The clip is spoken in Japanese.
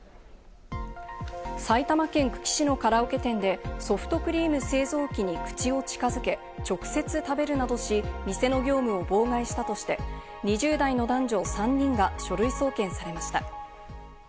埼玉県久喜市のカラオケ店でソフトクリーム製造機に口を近づけ、直接食べるなどし、店の業務を妨害したとして、２０代の男女３人が書類送検されました。